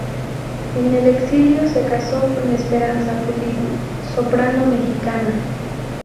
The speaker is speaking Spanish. En el exilio se casó con Esperanza Pulido, soprano mexicana.